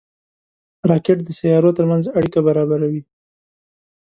راکټ د سیارو ترمنځ اړیکه برابروي